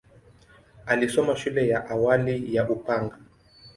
Alisoma shule ya awali ya Upanga.